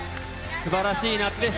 すばらしい夏でした。